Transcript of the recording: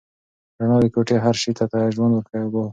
رڼا د کوټې هر شی ته ژوند ور وباښه.